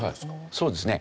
そうですね。